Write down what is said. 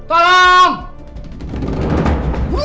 tidak ada vamos di allah